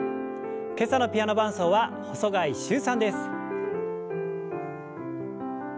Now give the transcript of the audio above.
今朝のピアノ伴奏は細貝柊さんです。